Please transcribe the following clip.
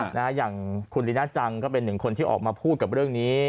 อย่างคุณลีน่าจังก็เป็นหนึ่งคนที่ออกมาพูดกับเรื่องนี้